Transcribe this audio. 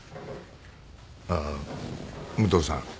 あ武藤さん。